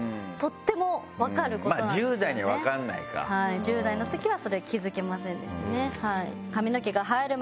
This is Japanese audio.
１０代の時はそれ気付けませんでしたね。